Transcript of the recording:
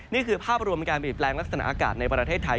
นี่คือภาพรวมการเปลี่ยนแปลงลักษณะอากาศในประเทศไทย